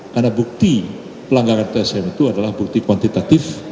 karena bukti pelanggaran tsm itu adalah bukti kuantitatif